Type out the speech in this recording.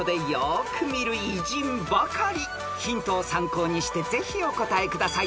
［ヒントを参考にしてぜひお答えください］